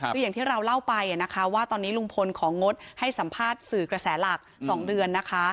คืออย่างที่เราเล่าไปนะคะว่าตอนนี้ลุงพลของงดให้สัมภาษณ์สื่อกระแสหลัก๒เดือนนะคะ